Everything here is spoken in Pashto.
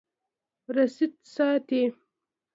رسید ساتئ